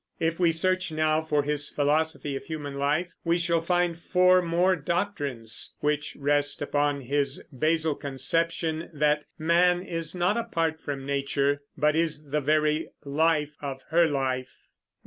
If we search now for his philosophy of human life, we shall find four more doctrines, which rest upon his basal conception that man is not apart from nature, but is the very "life of her life."